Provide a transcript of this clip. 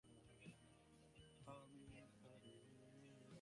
ঐরূপে সকল পদার্থের শব্দাবস্থাটি হচ্ছে ঐসকল জিনিষের সূক্ষ্মাবস্থা।